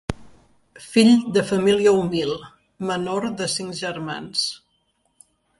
Fill de família humil, menor de cinc germans.